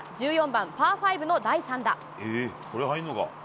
１４番パー５の第３打。